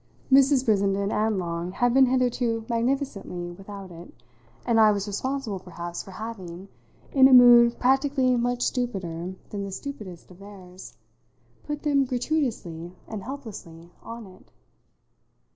Mrs. Brissenden and Long had been hitherto magnificently without it, and I was responsible perhaps for having, in a mood practically much stupider than the stupidest of theirs, put them gratuitously and helplessly on it.